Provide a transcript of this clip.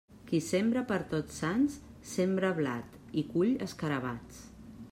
Qui sembra per Tots Sants, sembra blat i cull escarabats.